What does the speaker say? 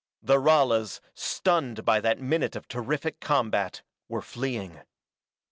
The Ralas, stunned by that minute of terrific combat, were fleeing.